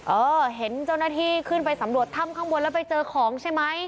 เออเห็นเจ้าหน้าที่ขึ้นไปสำรวจถ้ำข้างบนแล้วไปเจอของใช่ไหม